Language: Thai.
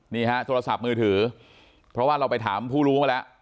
นี่ฮะโทรศัพท์มือถือเพราะว่าเราไปถามผู้รู้มาแล้ว